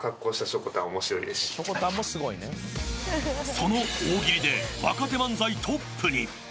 その大喜利で若手漫才トップに。